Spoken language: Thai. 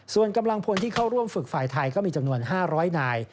ส่วนกำลังพลที่เข้าร่วมฝึกฝ่ายไทยก็มีจำนวน๕๐๐นาย